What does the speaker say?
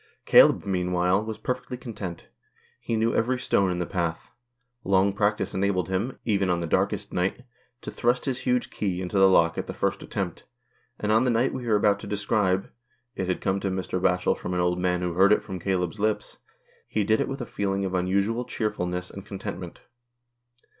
Caleb, meanwhile, was perfectly content. He knew every stone in the path ; long practice enabled him, even on the darkest night, to thrust his huge key into the lock at the first attempt, and on the night we are about to describe — it had come to Mr. Batchel from an old man who heard it from Caleb's lips — he did it with a feeling of unusual cheerfulness and contentment.